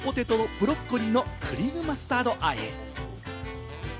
鮭とポテトとブロッコリーのクリームマスタードあえ。